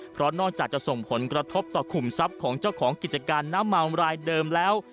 เพราะนอกจากจะส่งผลกระทบต่อขุมทรัพย์ของเจ้าของกิจการน้ำเมารายเดิมแล้ว